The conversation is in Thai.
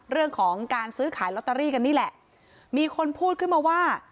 เรื่องของการซื้อขายลอตเตอรี่กันนี่แหละมีคนพูดขึ้นมาว่า